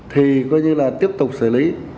thì coi như là tiếp tục xử lý